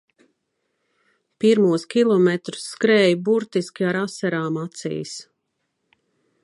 Pirmos kilometrus skrēju burtiski ar asarām acīs.